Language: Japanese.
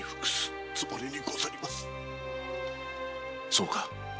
そうか。